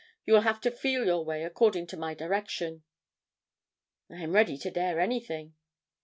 You will have to feel your way according to my direction." "I am ready to dare anything."